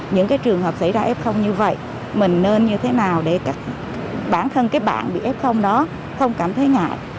những trường hợp xảy ra f như vậy mình nên như thế nào để các bản thân các bạn bị f đó không cảm thấy ngại